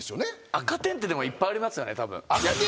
赤点ってでもいっぱいありますよね。